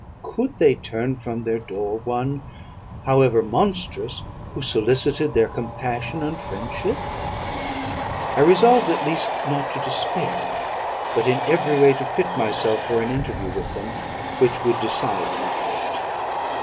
Could they turn from their door one, however monstrous, who solicited their compassion and friendship? I resolved, at least, not to despair, but in every way to fit myself for an interview with them which would decide my fate.